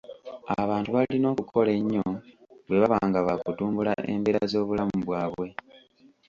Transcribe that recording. Abantu balina okukola ennyo bwe baba nga baakutumbula embeera z'obulamu bwabwe.